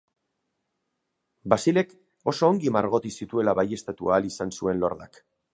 Basilek oso ongi margotu zituela baieztatu ahal izan zuen lordak.